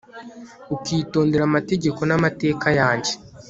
ukitondera amategeko n'amateka yanjye